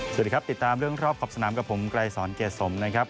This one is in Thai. สวัสดีครับติดตามเรื่องรอบขอบสนามกับผมไกรสอนเกรดสมนะครับ